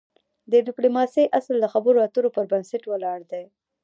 د د ډيپلوماسی اصل د خبرو اترو پر بنسټ ولاړ دی.